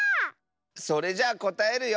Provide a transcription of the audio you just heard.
それじゃあこたえるよ。